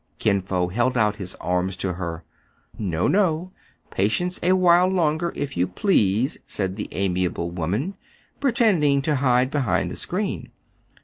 Kin Fo held out his arms to her. " No, no ! patience a while longer, if you please !" said the amiable woman, pretending to hide behind the screen.